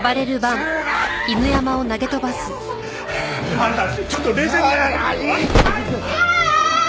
あんたちょっと冷静に。